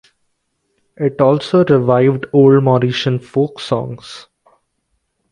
It also revived old Mauritian folk songs.